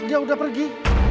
dia udah pergi